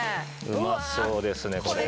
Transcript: うまそうですねこれ。